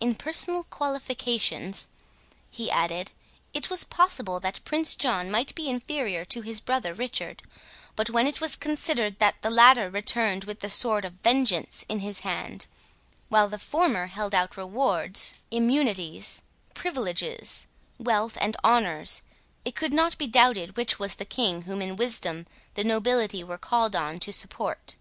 In personal qualifications," he added, "it was possible that Prince John might be inferior to his brother Richard; but when it was considered that the latter returned with the sword of vengeance in his hand, while the former held out rewards, immunities, privileges, wealth, and honours, it could not be doubted which was the king whom in wisdom the nobility were called on to support."